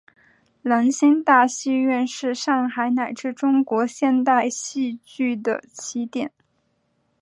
兰心大戏院是上海乃至中国现代戏剧的起点。